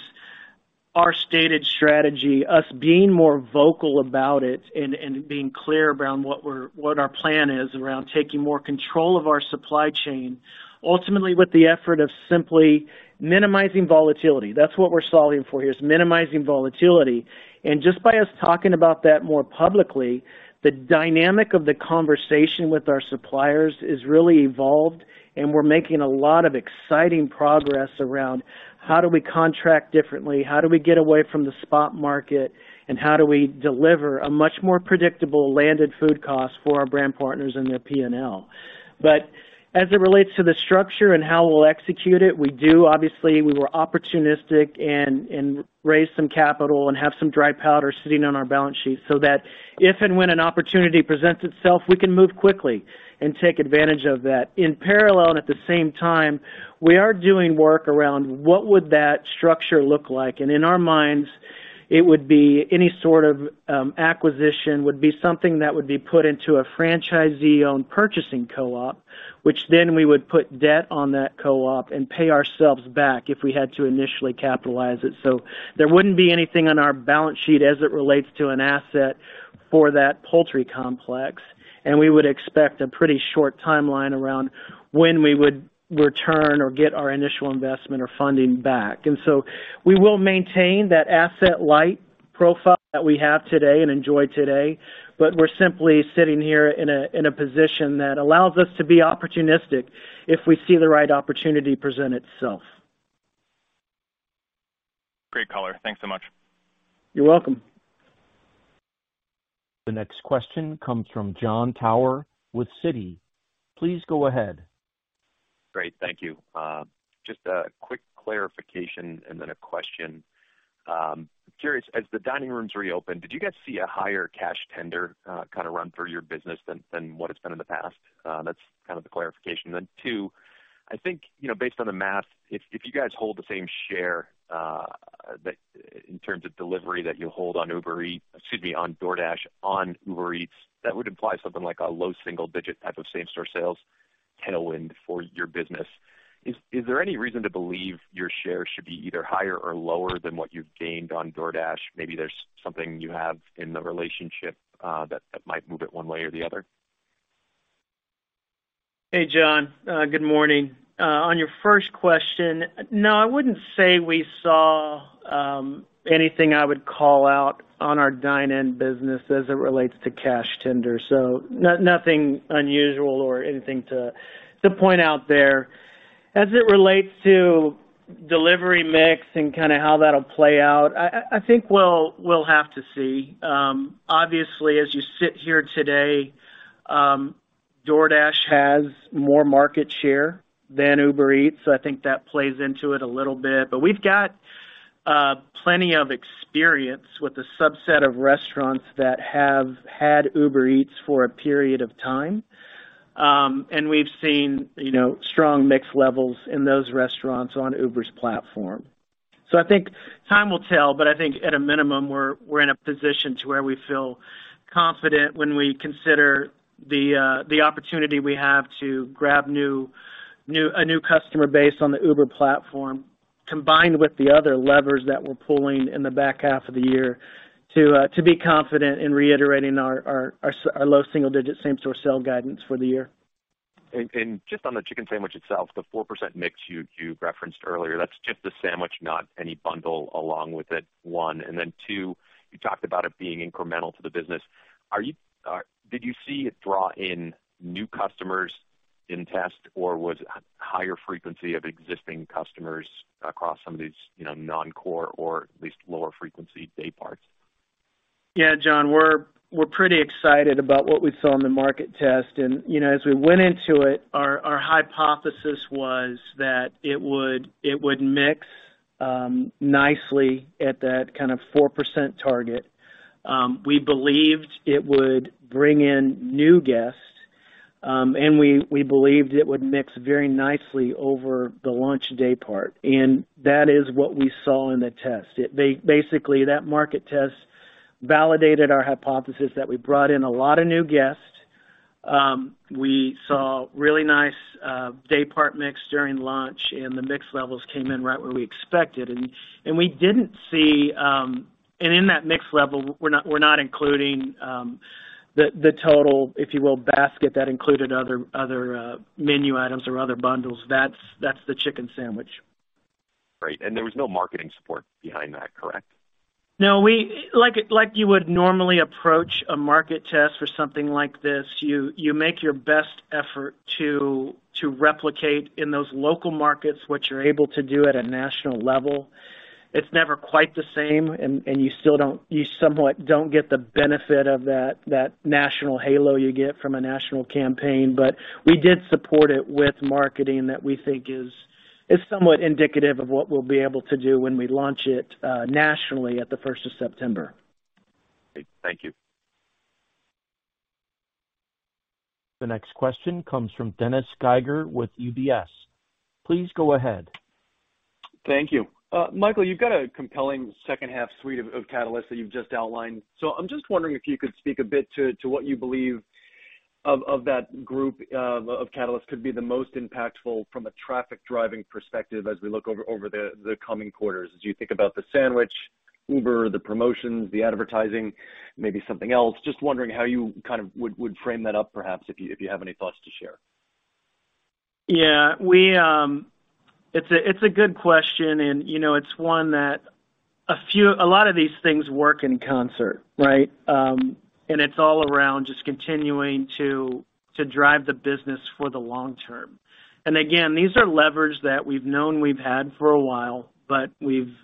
our stated strategy, us being more vocal about it and being clear around what our plan is around taking more control of our supply chain, ultimately, with the effort of simply minimizing volatility. That's what we're solving for here, is minimizing volatility. Just by us talking about that more publicly, the dynamic of the conversation with our suppliers is really evolved, and we're making a lot of exciting progress around how do we contract differently? How do we get away from the spot market? How do we deliver a much more predictable landed food cost for our brand partners and their P&L? As it relates to the structure and how we'll execute it, we do. Obviously, we were opportunistic and raised some capital and have some dry powder sitting on our balance sheet so that if and when an opportunity presents itself, we can move quickly and take advantage of that. In parallel and at the same time, we are doing work around what would that structure look like? In our minds, it would be any sort of acquisition would be something that would be put into a franchisee-owned purchasing co-op, which then we would put debt on that co-op and pay ourselves back if we had to initially capitalize it. There wouldn't be anything on our balance sheet as it relates to an asset for that poultry complex. We would expect a pretty short timeline around when we would return or get our initial investment or funding back. We will maintain that asset light profile that we have today and enjoy today. We're simply sitting here in a position that allows us to be opportunistic if we see the right opportunity present itself. Great color. Thanks so much. You're welcome. The next question comes from Jon Tower with Citi. Please go ahead. Great, thank you. Just a quick clarification and then a question. Curious, as the dining rooms reopened, did you guys see a higher cash tender kind of run through your business than what it's been in the past? That's kind of the clarification. Then, too, I think, you know, based on the math, if you guys hold the same share that in terms of delivery you hold on DoorDash, on Uber Eats, that would imply something like a low single digit type of same store sales tailwind for your business. Is there any reason to believe your share should be either higher or lower than what you've gained on DoorDash? Maybe there's something you have in the relationship that might move it one way or the other. Hey, John. Good morning. On your first question, no, I wouldn't say we saw anything I would call out on our dine-in business as it relates to cash tender. Nothing unusual or anything to point out there. As it relates to delivery mix and kind of how that'll play out, I think we'll have to see. Obviously, as you sit here today, DoorDash has more market share than Uber Eats. I think that plays into it a little bit. We've got plenty of experience with a subset of restaurants that have had Uber Eats for a period of time. We've seen, you know, strong mix levels in those restaurants on Uber's platform. I think time will tell, but I think at a minimum, we're in a position to where we feel confident when we consider the opportunity we have to grab a new customer base on the Uber platform, combined with the other levers that we're pulling in the back half of the year to be confident in reiterating our low single digit same store sale guidance for the year. Just on the chicken sandwich itself, the 4% mix you referenced earlier, that's just the sandwich, not any bundle along with it, one. Two, you talked about it being incremental to the business. Did you see it draw in new customers in test, or was it higher frequency of existing customers across some of these, you know, non-core or at least lower frequency day parts? John, we're pretty excited about what we saw in the market test. You know, as we went into it, our hypothesis was that it would mix nicely at that kind of 4% target. We believed it would bring in new guests, and we believed it would mix very nicely over the launch day part. That is what we saw in the test. Basically, that market test validated our hypothesis that we brought in a lot of new guests. We saw really nice day part mix during launch, and the mix levels came in right where we expected. In that mix level, we're not including the total, if you will, basket that included other menu items or other bundles. That's the chicken sandwich. Great. There was no marketing support behind that, correct? No. Like you would normally approach a market test for something like this, you make your best effort to replicate in those local markets what you're able to do at a national level. It's never quite the same, and you still somewhat don't get the benefit of that national halo you get from a national campaign. But we did support it with marketing that we think is somewhat indicative of what we'll be able to do when we launch it nationally at the first of September. Great. Thank you. The next question comes from Dennis Geiger with UBS. Please go ahead. Thank you. Michael, you've got a compelling second half suite of catalysts that you've just outlined. I'm just wondering if you could speak a bit to what you believe Which of that group of catalysts could be the most impactful from a traffic driving perspective as we look over the coming quarters. When you think about the sandwich, Uber, the promotions, the advertising, maybe something else? Just wondering how you kind of would frame that up perhaps if you have any thoughts to share. Yeah. It's a good question, and you know, it's one that a lot of these things work in concert, right? It's all around just continuing to drive the business for the long term. Again, these are levers that we've known we've had for a while, but we've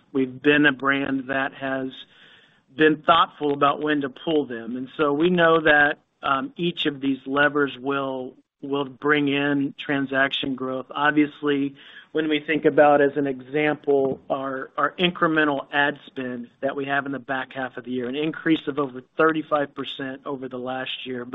been a brand that has been thoughtful about when to pull them. So we know that each of these levers will bring in transaction growth. Obviously, when we think about as an example, our incremental ad spend that we have in the back half of the year, an increase of over 35% over the last year.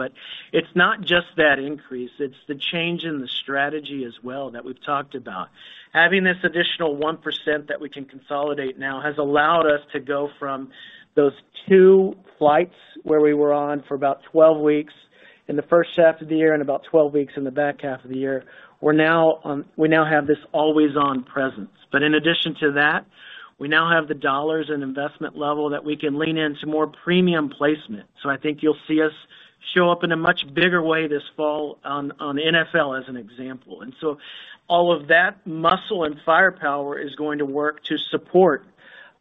It's not just that increase, it's the change in the strategy as well that we've talked about. Having this additional 1% that we can consolidate now has allowed us to go from those two flights where we were on for about 12 weeks in the first half of the year and about 12 weeks in the back half of the year. We now have this always on presence. In addition to that, we now have the dollars and investment level that we can lean into more premium placement. I think you'll see us show up in a much bigger way this fall on NFL as an example. All of that muscle and firepower is going to work to support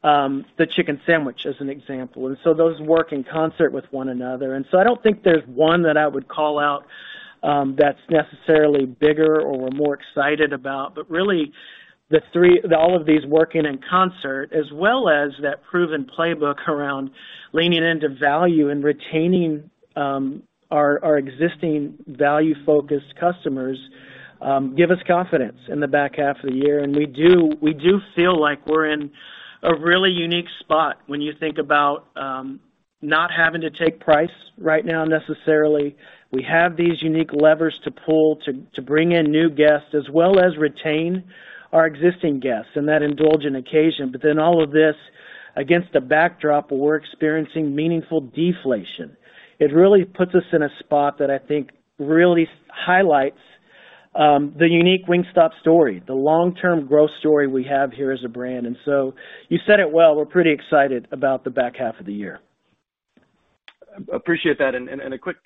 the chicken sandwich as an example. Those work in concert with one another. I don't think there's one that I would call out, that's necessarily bigger or we're more excited about. Really, all of these working in concert as well as that proven playbook around leaning into value and retaining our existing value-focused customers give us confidence in the back half of the year. We do feel like we're in a really unique spot when you think about not having to take price right now necessarily. We have these unique levers to pull to bring in new guests as well as retain our existing guests in that indulgent occasion. All of this against the backdrop, we're experiencing meaningful deflation. It really puts us in a spot that I think really highlights the unique Wingstop story, the long-term growth story we have here as a brand. You said it well, we're pretty excited about the back half of the year. Appreciate that. A quick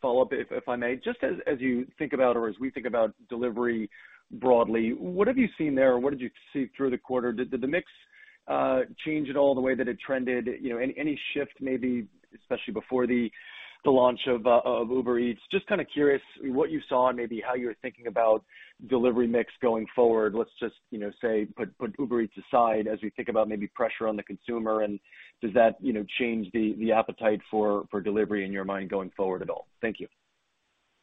follow-up, if I may. Just as you think about or as we think about delivery broadly, what have you seen there or what did you see through the quarter? Did the mix change at all the way that it trended? You know, any shift maybe especially before the launch of Uber Eats? Just kind of curious what you saw and maybe how you're thinking about delivery mix going forward. Let's just, you know, say, put Uber Eats aside as we think about maybe pressure on the consumer and does that, you know, change the appetite for delivery in your mind going forward at all? Thank you.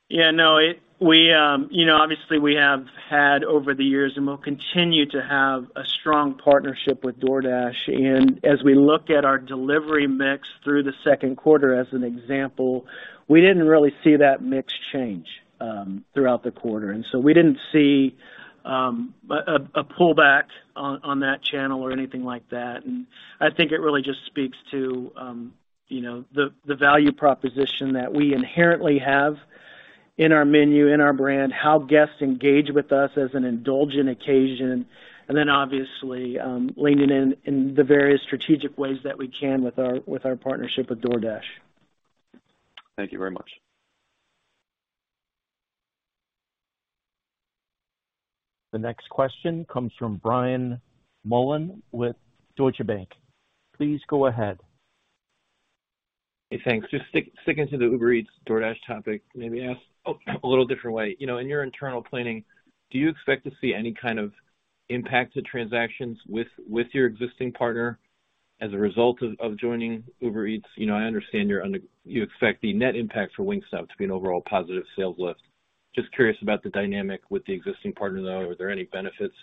Yeah, no. We, you know, obviously we have had over the years and will continue to have a strong partnership with DoorDash. As we look at our delivery mix through the second quarter as an example, we didn't really see that mix change throughout the quarter. We didn't see a pullback on that channel or anything like that. I think it really just speaks to, you know, the value proposition that we inherently have in our menu, in our brand, how guests engage with us as an indulgent occasion, and then obviously leaning in the various strategic ways that we can with our partnership with DoorDash. Thank you very much. The next question comes from Brian Mullan with Deutsche Bank. Please go ahead. Thanks. Just sticking to the Uber Eats, DoorDash topic, maybe ask a little different way. You know, in your internal planning, do you expect to see any kind of impact to transactions with your existing partner as a result of joining Uber Eats? You know, I understand you expect the net impact for Wingstop to be an overall positive sales lift. Just curious about the dynamic with the existing partner, though. Are there any benefits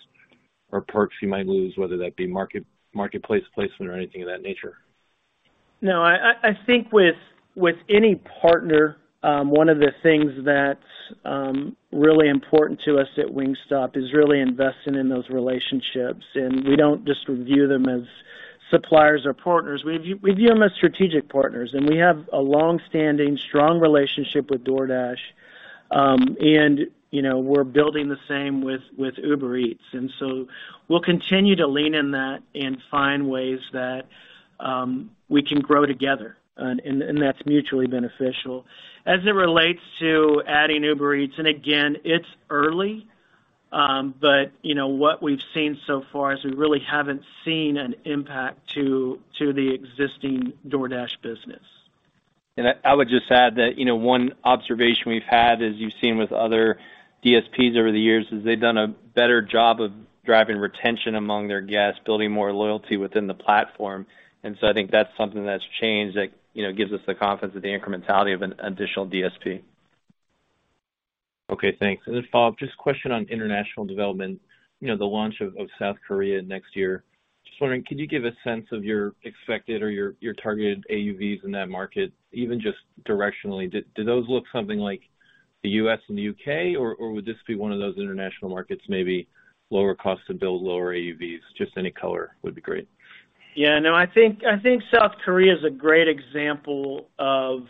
or perks you might lose, whether that be marketplace placement or anything of that nature? No. I think with any partner, one of the things that really important to us at Wingstop is really investing in those relationships. We don't just view them as suppliers or partners. We view them as strategic partners, and we have a long-standing, strong relationship with DoorDash. We're building the same with Uber Eats. We'll continue to lean in that and find ways that we can grow together, and that's mutually beneficial. As it relates to adding Uber Eats, and again, it's early, what we've seen so far is we really haven't seen an impact to the existing DoorDash business. I would just add that, you know, one observation we've had, as you've seen with other DSPs over the years, is they've done a better job of driving retention among their guests, building more loyalty within the platform. I think that's something that's changed that, you know, gives us the confidence of the incrementality of an additional DSP. Okay, thanks. Then follow up, just a question on international development, you know, the launch of South Korea next year. Just wondering, can you give a sense of your expected or your targeted AUVs in that market, even just directionally? Do those look something like the US and the UK, or would this be one of those international markets, maybe lower cost to build lower AUVs? Just any color would be great. Yeah. No, I think South Korea is a great example of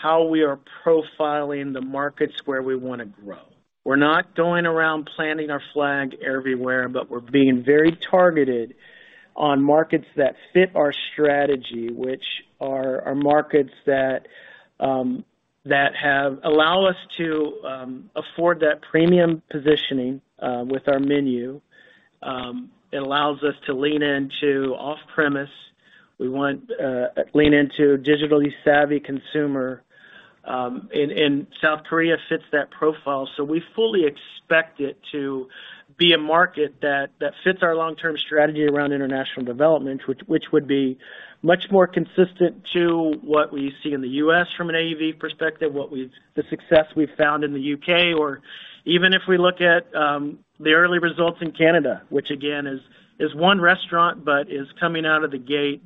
how we are profiling the markets where we wanna grow. We're not going around planting our flag everywhere, but we're being very targeted on markets that fit our strategy, which are markets that allow us to afford that premium positioning with our menu. It allows us to lean into off-premise. We want to lean into digitally savvy consumer, and South Korea fits that profile. We fully expect it to be a market that fits our long-term strategy around international development, which would be much more consistent to what we see in the U.S. from an AUV perspective, the success we've found in the U.K., or even if we look at the early results in Canada, which again is one restaurant, but is coming out of the gate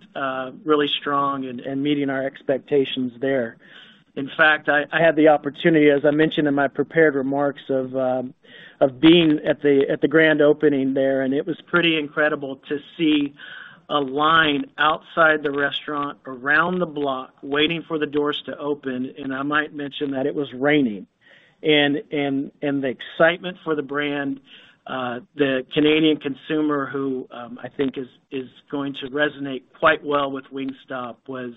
really strong and meeting our expectations there. In fact, I had the opportunity, as I mentioned in my prepared remarks of being at the grand opening there, and it was pretty incredible to see a line outside the restaurant around the block waiting for the doors to open, and I might mention that it was raining. The excitement for the brand, the Canadian consumer who I think is going to resonate quite well with Wingstop was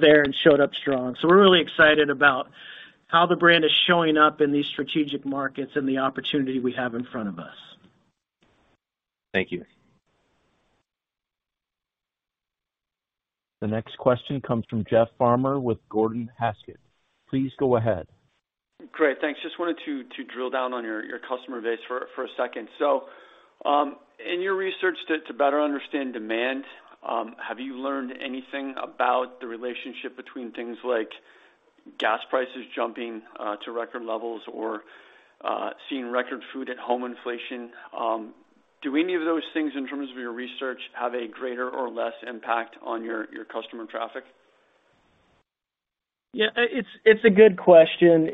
there and showed up strong. We're really excited about how the brand is showing up in these strategic markets and the opportunity we have in front of us. Thank you. The next question comes from Jeff Farmer with Gordon Haskett. Please go ahead. Great. Thanks. Just wanted to drill down on your customer base for a second. In your research to better understand demand, have you learned anything about the relationship between things like gas prices jumping to record levels or seeing record food at home inflation? Do any of those things, in terms of your research, have a greater or less impact on your customer traffic? Yeah, it's a good question.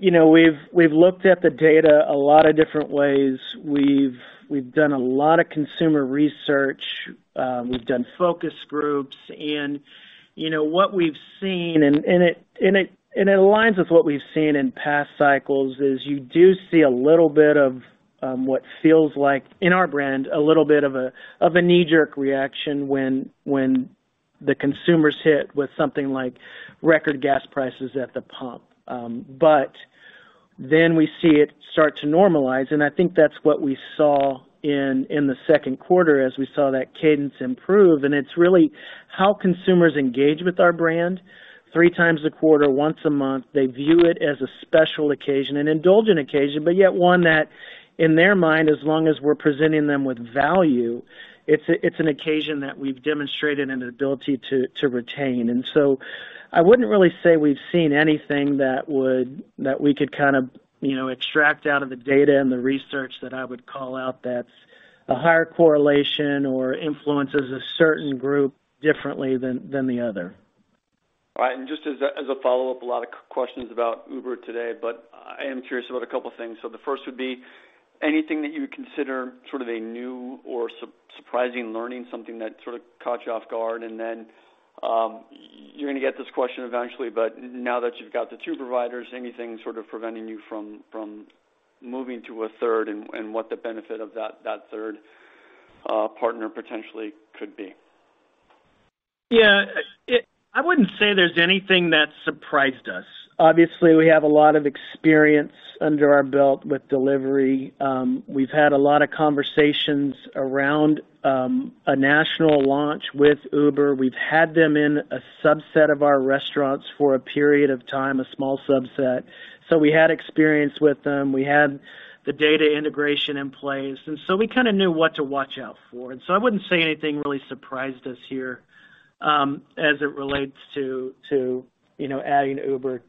You know, we've looked at the data a lot of different ways. We've done a lot of consumer research. We've done focus groups. You know, what we've seen, and it aligns with what we've seen in past cycles, is you do see a little bit of what feels like, in our brand, a little bit of a knee-jerk reaction when the consumer's hit with something like record gas prices at the pump. We see it start to normalize, and I think that's what we saw in the second quarter as we saw that cadence improve. It's really how consumers engage with our brand three times a quarter, once a month. They view it as a special occasion, an indulgent occasion, but yet one that, in their mind, as long as we're presenting them with value, it's an occasion that we've demonstrated an ability to retain. I wouldn't really say we've seen anything that we could kind of, you know, extract out of the data and the research that I would call out that's a higher correlation or influences a certain group differently than the other. All right. Just as a follow-up, a lot of questions about Uber today, but I am curious about a couple things. The first would be anything that you would consider sort of a new or surprising learning, something that sort of caught you off guard? Then, you're gonna get this question eventually, but now that you've got the two providers, anything sort of preventing you from moving to a third and what the benefit of that third partner potentially could be? Yeah. I wouldn't say there's anything that surprised us. Obviously, we have a lot of experience under our belt with delivery. We've had a lot of conversations around a national launch with Uber. We've had them in a subset of our restaurants for a period of time, a small subset. So we had experience with them. We had the data integration in place, and so we kind of knew what to watch out for. I wouldn't say anything really surprised us here, as it relates to you know, adding Uber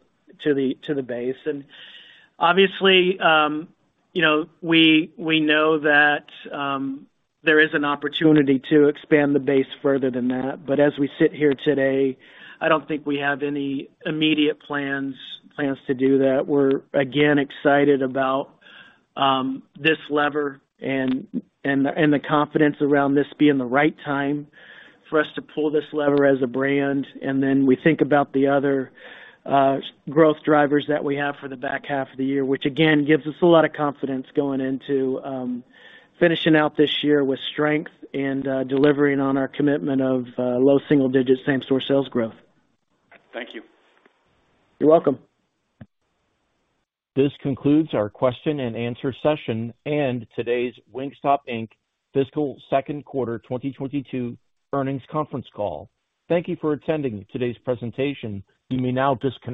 to the base. Obviously, you know, we know that there is an opportunity to expand the base further than that. But as we sit here today, I don't think we have any immediate plans to do that. We're again excited about this lever and the confidence around this being the right time for us to pull this lever as a brand. Then we think about the other growth drivers that we have for the back half of the year, which again gives us a lot of confidence going into finishing out this year with strength and delivering on our commitment of low single digits same-store sales growth. Thank you. You're welcome. This concludes our question and answer session and today's Wingstop Inc fiscal second quarter 2022 earnings conference call. Thank you for attending today's presentation. You may now disconnect.